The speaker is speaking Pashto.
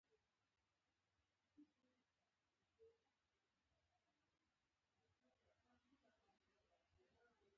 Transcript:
هغوی خپلې لوڼې بختوری ګڼي